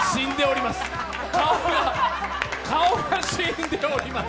顔が死んでおります。